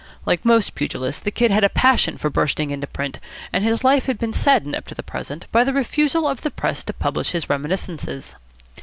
Like most pugilists, the Kid had a passion for bursting into print, and his life had been saddened up to the present by the refusal of the press to publish his reminiscences.